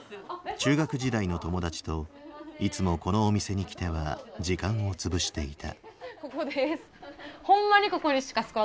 中学時代の友達といつもこのお店に来ては時間をつぶしていた。